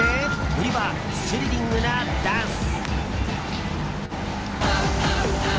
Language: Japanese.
売りはスリリングなダンス。